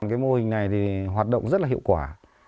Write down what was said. cái mô hình này thì hoạt động rất là hiệu quả